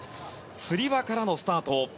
つり輪からのスタート。